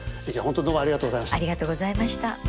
今日は本当どうもありがとうございました。